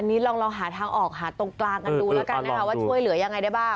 อันนี้เราลองหาทางออกหาตรงกลางดูแล้วกันไหมคะ